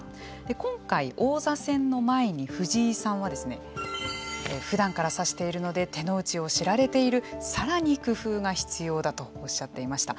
今回、王座戦の前に藤井さんはふだんから指しているので手の内を知られているさらに工夫が必要だとおっしゃっていました。